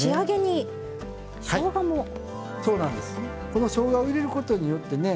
このしょうがを入れることによってね